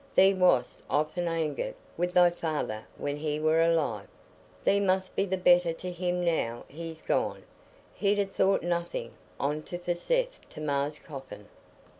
Thee wast often angered wi' thy feyther when he war alive; thee must be the better to him now he's gone. He'd ha' thought nothin' on't for Seth to ma's coffin."